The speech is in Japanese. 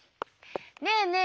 ねえねえ